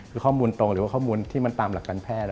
คือข้อมูลตรงหรือว่าข้อมูลที่มันตามหลักการแพทย์